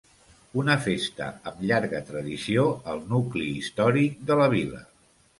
Una festa amb llarga tradició al nucli històric de la vila.